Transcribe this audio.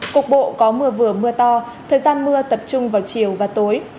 cục bộ có mưa vừa mưa to thời gian mưa tập trung vào chiều và tối